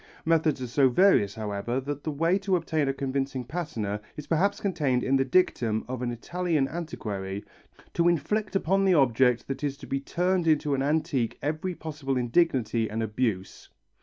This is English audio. Methods are so various, however, that the way to obtain a convincing patina is perhaps contained in the dictum of an Italian antiquary: "To inflict upon the object that is to be turned into an antique every possible indignity and abuse."